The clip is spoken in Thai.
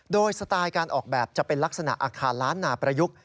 โดยสไตล์การออกแบบจะเป็นลักษณะอาคารล้านนาประยุกต์